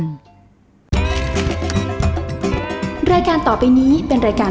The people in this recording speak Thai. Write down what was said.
นี้หลังจากเข้าข้าวหลังข้าเตรียมเข้าทางถ้ายน